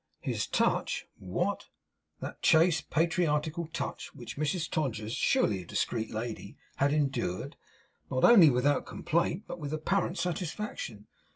His touch! What? That chaste patriarchal touch which Mrs Todgers surely a discreet lady had endured, not only without complaint, but with apparent satisfaction!